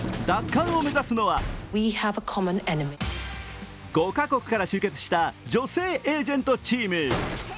奪還を目指すのは５カ国から集結した女性エージェントチーム。